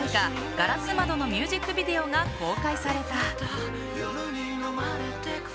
「硝子窓」のミュージックビデオが公開された。